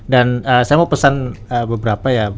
dan saya mau pesan beberapa ya